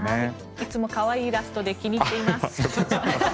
いつも可愛いイラストで気に入っています。